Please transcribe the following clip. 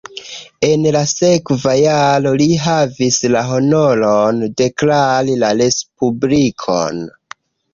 En la sekva jaro li havis la honoron deklari la respublikon.